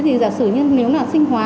thì giả sử nếu là sinh hóa